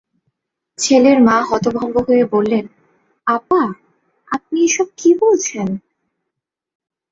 ছেলের মা হতভম্ব হয়ে বললেন, আপা, আপনি এসব কী বলছেন!